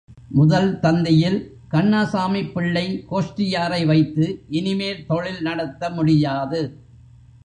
முதல் தந்தியில், கண்ணாசாமிப் பிள்ளை கோஷ்டியாரை வைத்து இனிமேல் தொழில் நடத்த முடியாது.